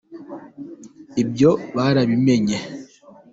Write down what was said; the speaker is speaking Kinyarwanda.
ibyo barabimenye.